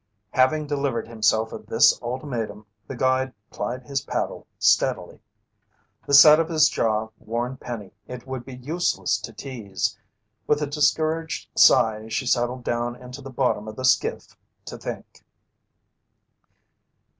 Having delivered himself of this ultimatum, the guide plied his paddle steadily. The set of his jaw warned Penny it would be useless to tease. With a discouraged sigh, she settled down into the bottom of the skiff to think.